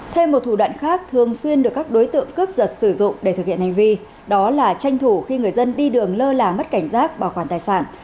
thêm một thủ đoạn khác thường xuyên được các đối tượng cướp giật sử dụng để thực hiện hành vi đó là tranh thủ khi người dân đi đường lơ là mất cảnh giác bảo quản tài sản